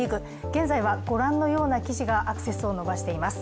現在はご覧のような記事がアクセスを伸ばしています。